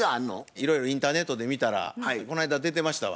いろいろインターネットで見たらこないだ出てましたわ。